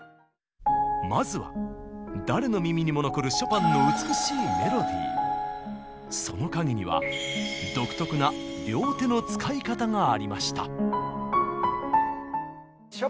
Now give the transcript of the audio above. まずは誰の耳にも残るショパンのその陰には独特な両手の使い方がありました。